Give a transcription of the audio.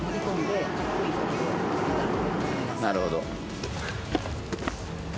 なるほど。